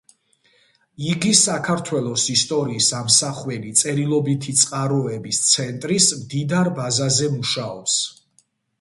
იგი საქართველოს ისტორიის ამსახველი წერილობითი წყაროების ცენტრის მდიდარ ბაზაზე მუშაობს.